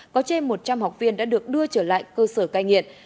có trên một trăm linh học viên đã được đưa trở lại cơ sở cai nghiện